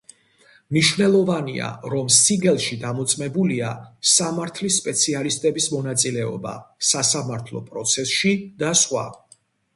მნიშვნელოვანია, რომ სიგელში დამოწმებულია სამართლის სპეციალისტების მონაწილეობა სასამართლო პროცესში და სხვა.